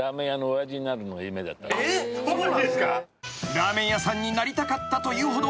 ［ラーメン屋さんになりたかったというほど］